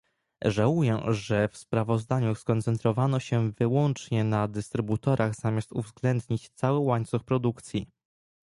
Żałuję, że w sprawozdaniu skoncentrowano się wyłącznie na dystrybutorach zamiast uwzględnić cały łańcuch produkcji